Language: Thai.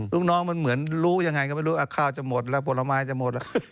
ลูกน้องมันเหมือนรู้ยังไงก็ไม่รู้ข้าวจะหมดแล้วผลไม้จะหมดแล้ว